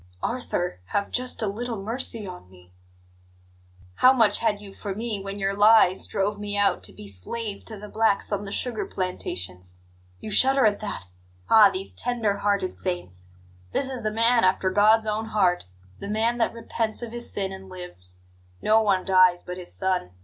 "Arthur, have just a little mercy on me " "How much had you for me when your lies drove me out to be slave to the blacks on the sugar plantations? You shudder at that ah, these tender hearted saints! This is the man after God's own heart the man that repents of his sin and lives. No one dies but his son.